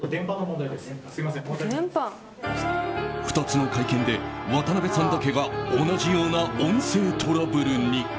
２つの会見で渡邊さんだけが同じような音声トラブルに。